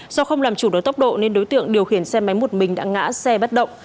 do không làm chủ đối tốc độ nên đối tượng điều khiển xe máy một mình đã ngã xe bất động